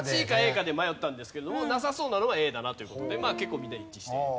ＣかＡかで迷ったんですけどもなさそうなのはＡだなという事でまあ結構みんな一致して。